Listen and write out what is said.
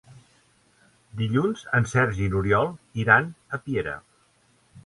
Dilluns en Sergi i n'Oriol iran a Piera.